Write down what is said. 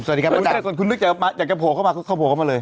สวัสดีครับคุณนึกอยากจะพ่อเข้ามาเข้ามาเลย